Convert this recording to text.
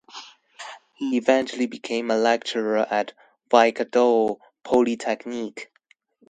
He eventually became a lecturer at Waikato Polytechnic.